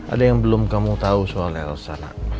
ada yang belum kamu tau soal elsa